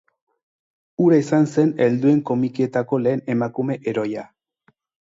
Hura izan zen helduen komikietako lehen emakume heroia.